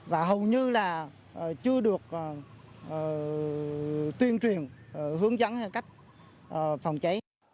và hầu như là chưa được tuyên truyền hướng dẫn cách phòng cháy